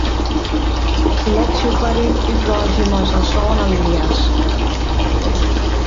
Seleksje foarút útwreidzje mei sân alinea's.